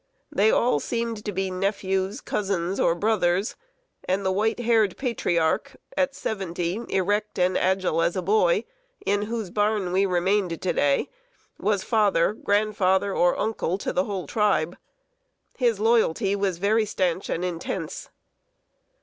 They all seemed to be nephews, cousins, or brothers; and the white haired patriarch at seventy, erect and agile as a boy, in whose barn we remained to day, was father, grandfather, or uncle, to the whole tribe. His loyalty was very stanch and intense.